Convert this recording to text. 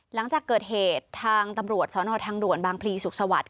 หลังจากเกิดเหตุทางตำรวจสนทางด่วนบางพลีสุขสวัสดิ